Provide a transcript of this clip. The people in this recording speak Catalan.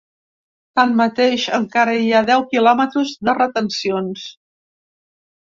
Tanmateix, encara hi ha deu quilòmetres de retencions.